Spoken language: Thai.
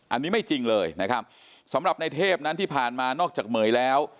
อันนี้ไม่จริงเลยนะครับสำหรับในเทพนั้นที่ผ่านมานอกจากเหม๋ยแล้ว